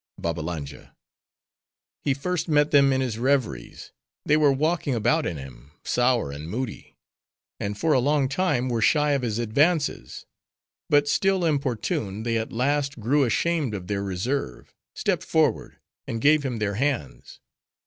BABBALANJA—He first met them in his reveries; they were walking about in him, sour and moody: and for a long time, were shy of his advances; but still importuned, they at last grew ashamed of their reserve; stepped forward; and gave him their hands.